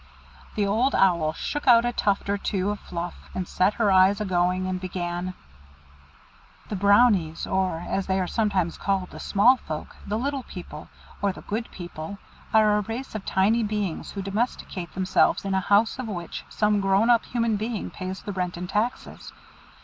The Old Owl shook out a tuft or two of fluff, and set her eyes a going and began: "The Brownies, or, as they are sometimes called, the Small Folk, the Little People, or the Good People, are a race of tiny beings who domesticate themselves in a house of which some grown up human being pays the rent and taxes.